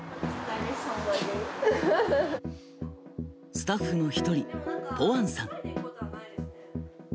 スタッフの１人、ぽわんさん。